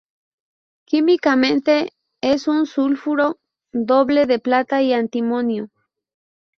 Químicamente es un sulfuro doble de plata y antimonio.